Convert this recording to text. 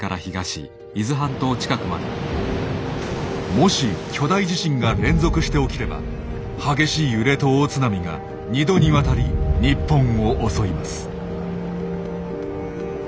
もし巨大地震が連続して起きれば激しい揺れと大津波が２度にわたり日本を襲います。